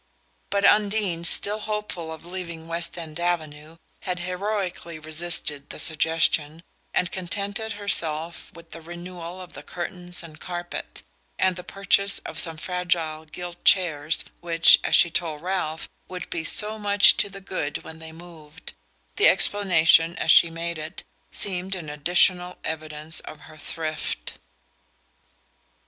But Undine, still hopeful of leaving West End Avenue, had heroically resisted the suggestion, and contented herself with the renewal of the curtains and carpet, and the purchase of some fragile gilt chairs which, as she told Ralph, would be "so much to the good" when they moved the explanation, as she made it, seemed an additional evidence of her thrift.